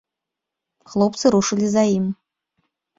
Хлопцы рушылі за ім.